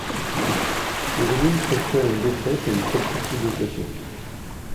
Le régime préfère une défaite à une quelconque négociation.